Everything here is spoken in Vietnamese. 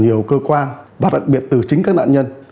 nhiều cơ quan và đặc biệt từ chính các nạn nhân